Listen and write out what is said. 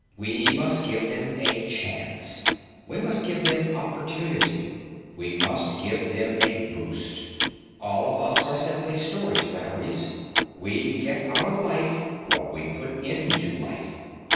We must give them a chance. We must give them opportunity. We must give them a boost. All of us are simply storage batteries. We get out of life what we put into life.